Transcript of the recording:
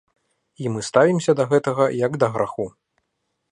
І мы ставімся да гэтага як да граху.